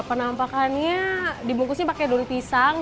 penampakannya dibungkusnya pakai dori pisang